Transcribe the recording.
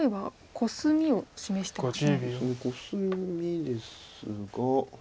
コスミですが。